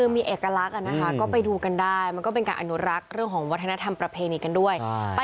มีเอกลักษณ์นะคะก็ไปดูกันได้มันก็เป็นการอนุรักษ์เรื่องของวัฒนธรรมประเพณีกันด้วย